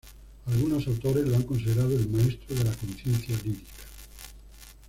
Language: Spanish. Algunos autores lo han considerado "el maestro de la conciencia lírica".